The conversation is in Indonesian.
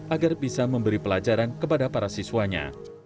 agar bisa memberi pelajaran kepada para siswanya